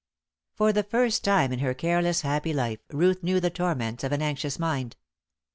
For the first time in her careless, happy life Ruth knew the torments of an anxious mind.